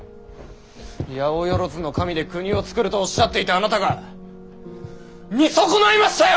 八百万の神で国を作るとおっしゃっていたあなたが見損ないましたよ！